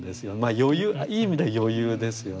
余裕いい意味で余裕ですよね。